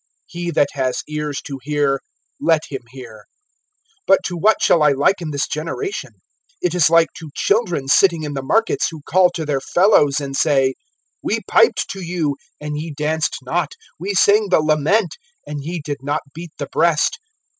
(15)He that has ears to hear, let him hear. (16)But to what shall I liken this generation? It is like to children sitting in the markets, who call to their fellows, (17)and say: We piped to you, and ye danced not; we sang the lament, and ye did not beat the breast.